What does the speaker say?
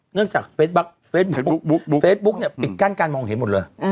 เจ้าว่าเฟซบุ๊แบลล์เฟสบุ๊คเนี่ยปิดกั้นการมองเห็นหมดเลย